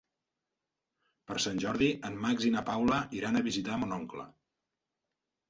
Per Sant Jordi en Max i na Paula iran a visitar mon oncle.